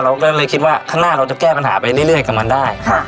เราก็เลยคิดว่าข้างหน้าเราจะแก้ปัญหาไปเรื่อยกับมันได้